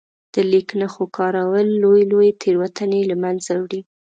د لیک نښو کارول لويې لويې تېروتنې له منځه وړي.